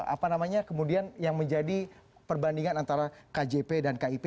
apa namanya kemudian yang menjadi perbandingan antara kjp dan kip